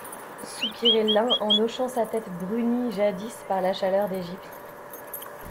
Soupirait l'un en hochant sa tête brunie jadis par la chaleur d'Égypte!